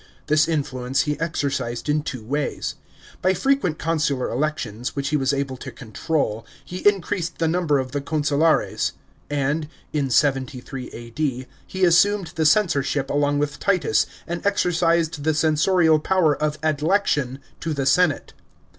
This influence he exercised in two ways. By frequent consular elections, which he was able to control, he increased the number of the consulares ; and (in 73 A.D.) he assumed the censorship along with Titus, and exercised the censorial power of adlection to the senate.